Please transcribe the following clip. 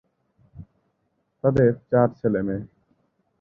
তাদের চার ছেলেমেয়ে।